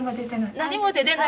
何も出てない。